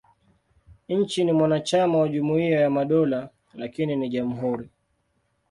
Nchi ni mwanachama wa Jumuiya ya Madola, lakini ni jamhuri.